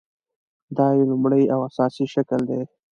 دا یې لومړۍ او اساسي شکل دی.